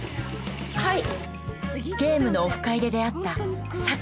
はい。